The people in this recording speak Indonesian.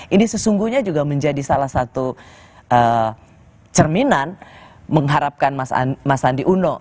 ini sesungguhnya juga menjadi salah satu cerminan mengharapkan mas sandi uno